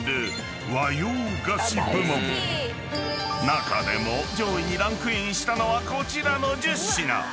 ［中でも上位にランクインしたのはこちらの１０品］